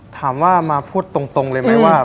ถามว่ามาพูดตรงเลยไหมว่า